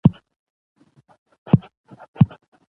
مېلې د ځوانانو د استعدادو ښکاره کولو یو فرصت يي.